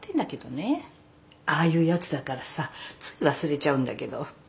ああいうやつだからさつい忘れちゃうんだけど。